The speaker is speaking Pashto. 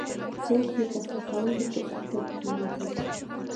څوک یې د ښخولو په فکر کې نه دي.